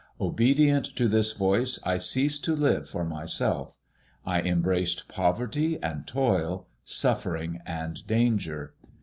Obedient to this voice, I ceased to live for myself. I embraced poverty and toil, suffering and danger.